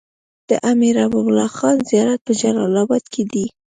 د امير حبيب الله خان زيارت په جلال اباد کی دی